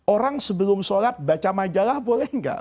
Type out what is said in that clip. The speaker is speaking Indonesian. orang sebelum sholat baca majalah boleh nggak